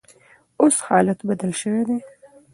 اوس حالات بدل شوي دي.